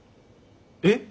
えっ？